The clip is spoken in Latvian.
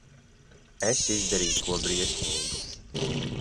Es izdarīju ko briesmīgu.